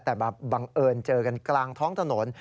แต่มาบังเอิญเจอกันกลางท้องถนน